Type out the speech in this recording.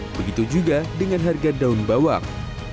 begitu juga dengan harga daun bawang